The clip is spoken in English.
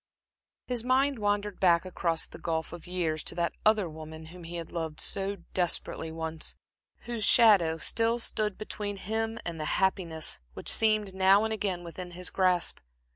His mind wandered back across the gulf of years, to that other woman whom he had loved so desperately once, whose shadow still stood between him and the happiness which seemed, now and again, within his grasp.